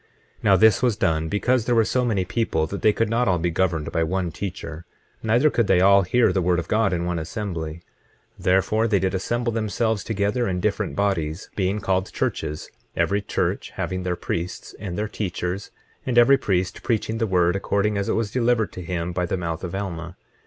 25:20 Now this was done because there were so many people that they could not all be governed by one teacher; neither could they all hear the word of God in one assembly; 25:21 Therefore they did assemble themselves together in different bodies, being called churches; every church having their priests and their teachers, and every priest preaching the word according as it was delivered to him by the mouth of Alma.